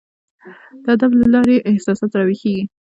د ادب له لاري احساسات راویښیږي.